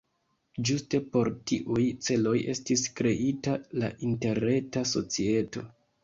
Ĝuste por tiuj celoj estis kreita la Interreta Societo.